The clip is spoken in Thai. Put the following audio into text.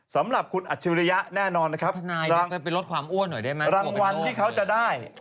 สำหรับคุณอัจฉริยะแน่นอนนะครับวางเงินไปลดความอ้วนหน่อยได้ไหมรางวัลที่เขาจะได้